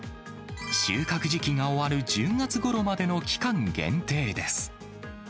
収穫時期が終わる１０月ごろまでの期間限定です。